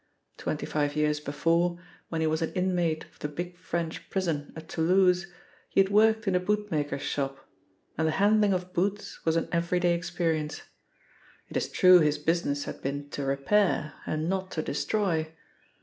Twenty five years before, when he was an inmate of the big French prison at Toulouse, he had worked in a bootmaker's shop, and the handling of boots was an everyday experience. It is true his business had been to repair, and not to destroy.